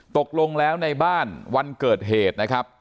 ตกลงแล้วในบ้านวันเกิดเหตุนะครับ